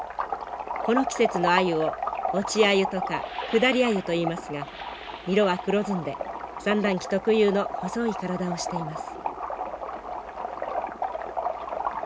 この季節のアユを落ちアユとか下りアユといいますが色は黒ずんで産卵期特有の細い体をしています。